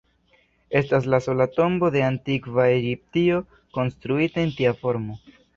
Estas la sola tombo de antikva Egiptio konstruita en tia formo.